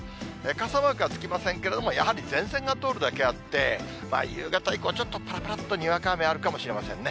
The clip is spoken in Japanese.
傘マークはつきませんけれども、やはり前線が通るだけあって、夕方以降、ちょっとぱらぱらっとにわか雨があるかもしれませんね。